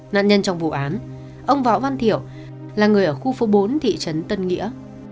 nạn nhân trong vụ án ông võ văn thiểu là người ở khu phố bốn thị trấn tân nghĩa